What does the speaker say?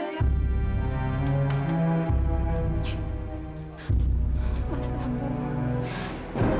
tentu saja kamu pengen mainkan